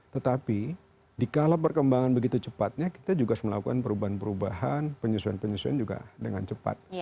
tetapi dikala perkembangan begitu cepatnya kita juga harus melakukan perubahan perubahan penyesuaian penyesuaian juga dengan cepat